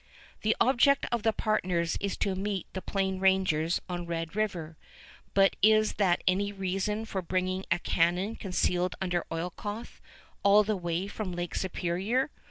The object of the partners is to meet the Plain Rangers on Red River; but is that any reason for bringing a cannon concealed under oilcloth all the way from Lake Superior?